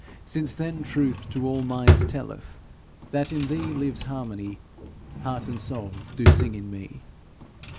Since then truth to all minds telleth That in thee lives harmony, Heart and soul do sing in me.